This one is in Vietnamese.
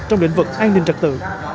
trong lĩnh vực an ninh trật tự